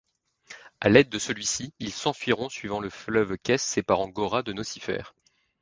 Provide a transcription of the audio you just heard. À l'aide de celui-ci, ils s'enfuiront suivant le fleuve Kes séparant Gohra de Nociphère.